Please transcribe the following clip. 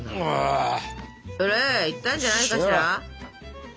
ほらいったんじゃないかしら。